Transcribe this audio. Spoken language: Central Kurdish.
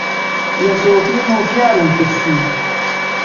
لە سۆفی و مۆفیانم پرسی: